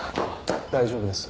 大丈夫です。